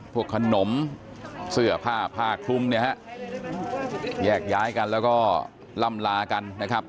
พวกขนมเสื้อผ้าผ้าคลุมเนี่ยฮะแยกย้ายกันแล้วก็ล่ำลากันนะครับ